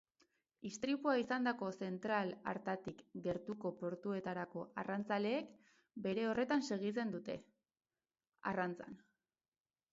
Istripua izandako zentral hartatik gertuko portuetako arrantzaleek bere horretan segitzen dute, arrantzan.